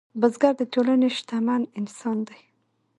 بزګر د ټولنې شتمن انسان دی